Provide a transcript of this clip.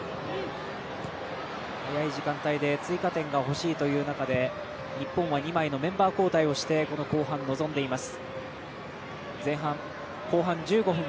早い時間帯で、追加点が欲しいという中で日本は、２枚のメンバー交代をしてこの後半、臨んでいます。